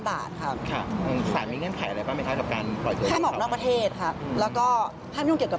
สารมีเงินไขอะไรบ้างครับกับการปล่อยคุณครับ